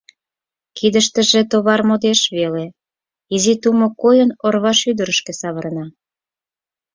Кидыштыже товар модеш веле: изи тумо койын орвашӱдырышкӧ савырна.